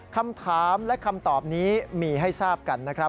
คำถามและคำตอบนี้มีให้ทราบกันนะครับ